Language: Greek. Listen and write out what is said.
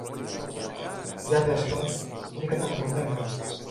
Για δες τον, είναι καταματωμένος